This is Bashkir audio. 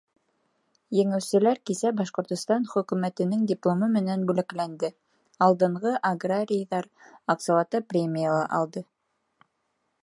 Еңеүселәр кисә Башҡортостан Хөкүмәтенең дипломы менән бүләкләнде, алдынғы аграрийҙар аҡсалата премия ла алды.